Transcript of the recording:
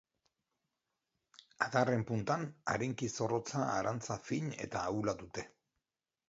Adarren puntan arinki zorrotza arantza fin eta ahula dute.